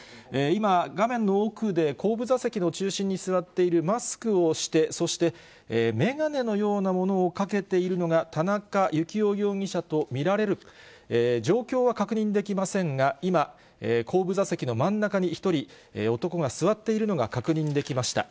今、画面の奥で後部座席の中心に座っているマスクをして、そして、眼鏡のようなものをかけているのが、田中幸雄容疑者と見られる、状況は確認できませんが、今、後部座席の真ん中に１人、男が座っているのが確認できました。